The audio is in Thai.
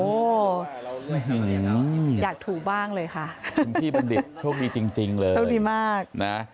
โหอยากถูกบ้างเลยค่ะช่วงที่บัณฑิตช่วงมีจริงเลยช่วงมีมาก